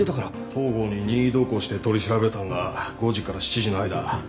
東郷に任意同行して取り調べたんが５時から７時の間。